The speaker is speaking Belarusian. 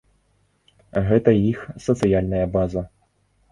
Гэта іх сацыяльная база.